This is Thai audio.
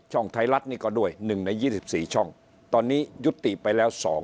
ไทยรัฐนี่ก็ด้วย๑ใน๒๔ช่องตอนนี้ยุติไปแล้ว๒